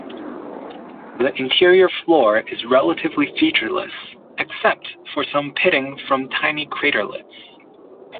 The interior floor is relatively featureless, except for some pitting from tiny craterlets.